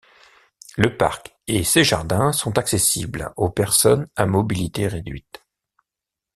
Le parc et ses jardins sont accessibles aux personnes à mobilité réduite.